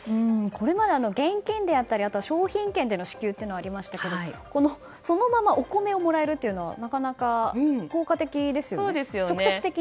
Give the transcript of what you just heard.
これまで現金であったり商品券での支給はありましたがそのままお米をもらえるのはなかなか効果的ですよね。